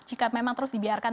jika memang terus dibiarkan